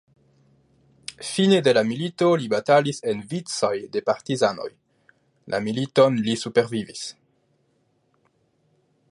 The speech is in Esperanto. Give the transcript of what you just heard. Fine de la milito li batalis en vicoj de partizanoj.. La militon li supervivis.